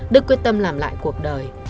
đức quyết tâm làm lại cuộc đời